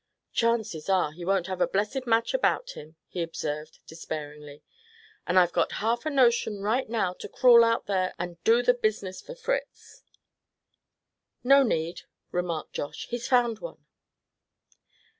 "Chances are he won't have a blessed match about him," he observed, despairingly. "And I've got half a notion right now to crawl out there, and do the business for Fritz." "No need," remarked Josh, "he's found one!"